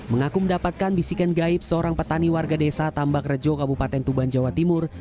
mengaku mendapatkan bisikan gaib seorang petani warga desa tambak rejo kabupaten tuban jawa timur